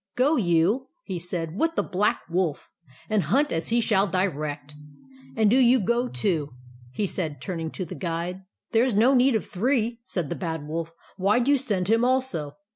" Go you," he said, " with the Black Wolf, and hunt as he shall direct. And do you go, too," he said, turning to the Guide. " There is no need of three," said the Bad Wolf. " Why do you send him also